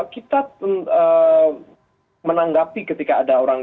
kita menanggapi ketika ada orang